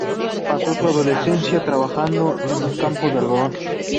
Pasó su adolescencia trabajando en los campos de algodón.